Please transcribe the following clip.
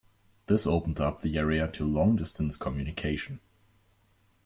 This opened up the area to long-distance communication.